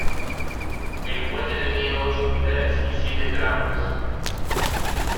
El puente tenía ocho pilares y siete tramos.